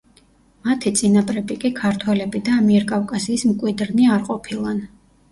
მათი წინაპრები კი ქართველები და ამიერკავკასიის მკვიდრნი არ ყოფილან.